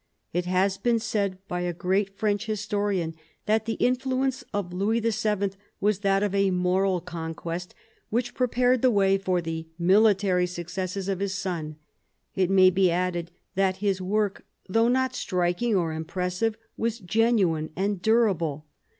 It has been said by a great French historian that the influence of Louis VII. was that of a moral con quest which prepared the way for the military successes of his son. It may be added that his work, though not striking or impressive, was genuine and durable.